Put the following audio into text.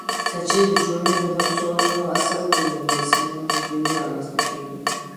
که چیرته د ټولنیزو هڅونو اصل وپېژندل سي، نو خوشبیني رامنځته کیږي.